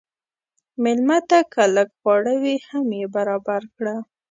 مېلمه ته که لږ خواړه وي، هم یې برابر کړه.